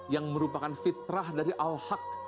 yang merupakan fitrah dari al haq